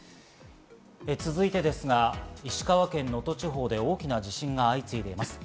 続いてですが、石川県能登地方で大きな地震が相次いでいます。